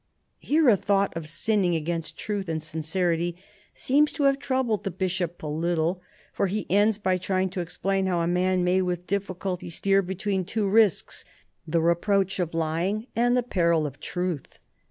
Here, a thought of sinning against truth and sincerity seems to have troubled the Bishop a little, for he ends by trying to explain how a man may with difficulty steer between two risks, " the reproach of lying and the peril of truth."